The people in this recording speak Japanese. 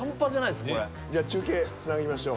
じゃあ中継つなぎましょう。